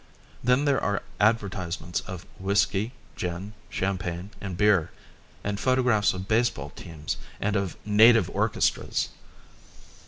Then there are advertisements of whisky, gin, champagne, and beer; and photographs of baseball teams and of native orchestras.